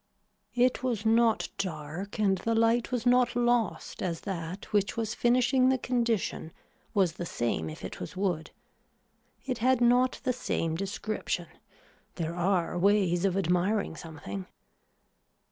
It was not dark and the light was not lost as that which was finishing the condition was the same if it was wood. It had not the same description. There are ways of admiring something.